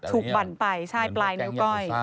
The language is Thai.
ถูกบันไปปลายนิ้วก้อย